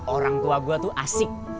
orang tua gue tuh asik